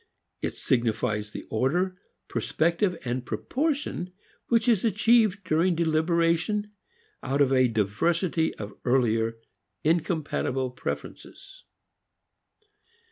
It signifies the order, perspective, proportion which is achieved, during deliberation, out of a diversity of earlier incompatible preferences.